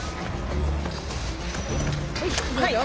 はいいきますよ。